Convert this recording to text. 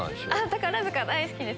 宝塚大好きです。